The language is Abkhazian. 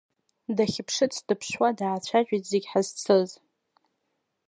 Дахьԥшыц дыԥшуа даацәажәеит зегь ҳазцыз.